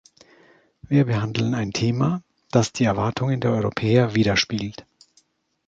Wir behandeln ein Thema, das die Erwartungen der Europäer widerspiegelt.